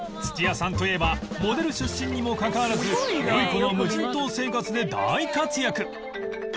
土屋さんといえばモデル出身にもかかわらず『よゐこの無人島生活』で大活躍！